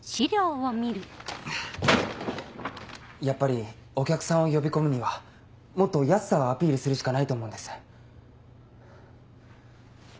やっぱりお客さんを呼び込むにはもっと安さをアピールするしかないと思うんです。